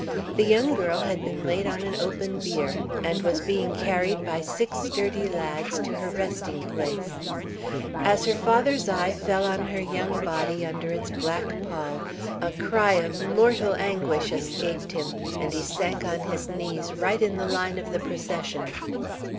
The young girl had been laid on an open bier, and was being carried by six sturdy lads to her last resting place. As the father's eye fell on her young body under its black pall, a cry of mortal anguish escaped him, and he sank on his knees right in the line of the procession.